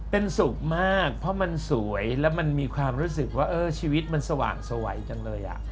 เป็นสุขมากเพราะมันสวยแล้วมันมีความรู้สึกว่าเออชีวิตมันสว่างสวัยจังเลย